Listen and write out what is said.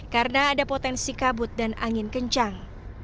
karena ada potensi kabut dan angin kencang